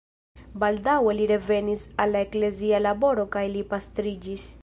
Baldaŭe li revenis al la eklezia laboro kaj li pastriĝis.